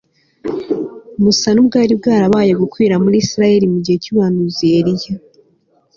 busa nubwari bwarabaye gikwira muri Isirayeli mu gihe cyumuhanuzi Eliya